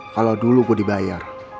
kalau dulu gue dibayar